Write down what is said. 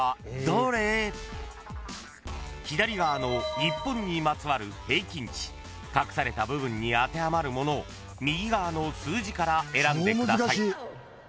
［左側の日本にまつわる平均値隠された部分に当てはまるものを右側の数字から選んでください］